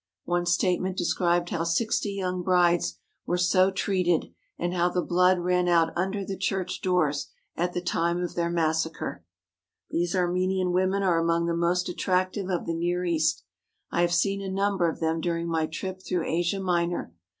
One statement described how sixty young brides were so treated and how the blood ran out under the church doors at the time of their massacre. These Armenian women are among the most attractive of the Near East. I have seen a number of them during my trip through Asia Minor.